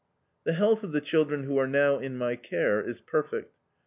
"The health of the children who are now in my care is perfect.